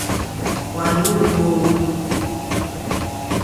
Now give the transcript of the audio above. Wà ndû wo?